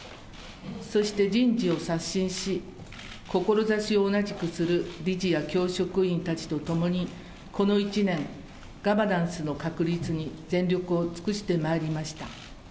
そして人事を刷新し、志を同じくする理事や教職員たちと共に、この１年、ガバナンスの確立に全力を尽くしてまいりました。